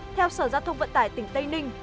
theo sở giao thông vận tải tỉnh tây ninh